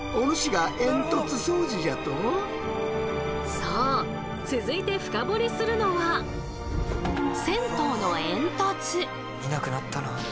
そう続いて深掘りするのは見なくなったな。